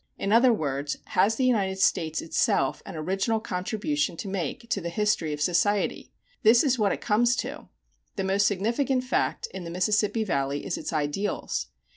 In other words, has the United States itself an original contribution to make to the history of society? This is what it comes to. The most significant fact in the Mississippi Valley is its ideals.